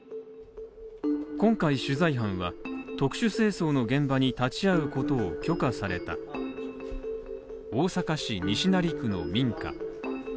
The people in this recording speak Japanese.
今回取材班は特殊清掃の現場に立ち会うことを許可された大阪市西成区の民家